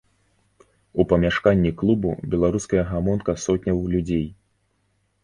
У памяшканні клубу беларуская гамонка сотняў людзей.